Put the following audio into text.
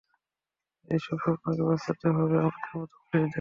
এই সব সপ্নকে বাচাতে হবে, আমাদের মতো পুলিশদের।